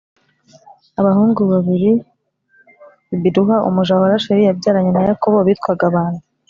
Abahungu babiri Biluha umuja wa Rasheli yabyaranye na Yakobo bitwaga bande